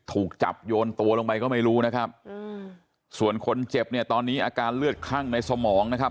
ถูกจับโยนตัวลงไปก็ไม่รู้นะครับอืมส่วนคนเจ็บเนี่ยตอนนี้อาการเลือดคั่งในสมองนะครับ